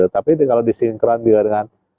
tapi kalau disinkron dengan